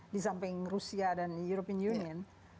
di samping rusia dan european union